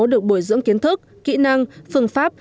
được bồi dưỡng kiến thức kỹ năng phương pháp